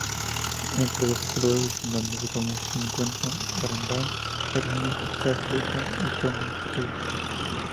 Entre los exploradores irlandeses famosos se encuentran Brandán, Ernest Shackleton y Thomas Crean.